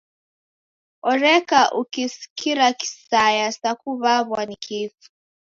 Oreka ukisikira kisaya sa kuw'aw'a ni kifu.